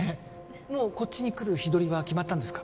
もうこっちに来る日取りは決まったんですか？